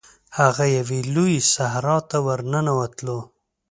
هغه یوې لويي صحرا ته ورننوتلو.